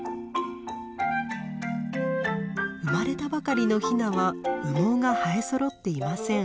生まれたばかりのヒナは羽毛が生えそろっていません。